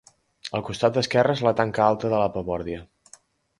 El costat esquerre és la tanca alta de la Pabordia.